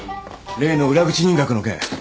例の裏口入学の件